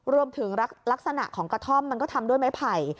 รวมถึงลักษณะของกระท่อมมันก็ทำด้วยไม้ไผ่